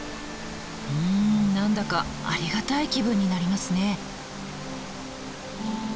うん何だかありがたい気分になりますね。